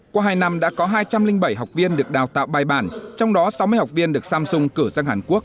qua hai năm đã có hai trăm linh bảy học viên được đào tạo bài bản trong đó sáu mươi học viên được samsung cử sang hàn quốc